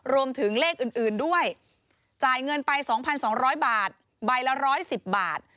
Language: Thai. รวมถึงเลขอื่นอื่นด้วยจ่ายเงินไปสองพันสองร้อยบาทใบละร้อยสิบบาท